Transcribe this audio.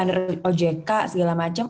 gak ada ojk segala macem